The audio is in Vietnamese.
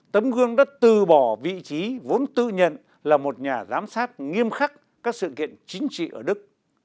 tấm gương đã từ bỏ vị trí vốn tự nhận là một nhà giám sát nghiêm khắc các sự kiện chính trị ở đức